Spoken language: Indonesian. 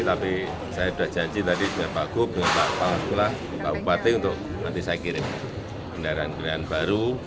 tapi saya sudah janji tadi dengan pak gup dengan pak kepala sekolah pak bupati untuk nanti saya kirim kendaraan kendaraan baru